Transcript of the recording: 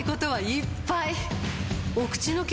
いっぱい！